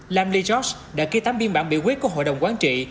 lam lee george đã ký tám biên bản biểu quyết của hội đồng quán trị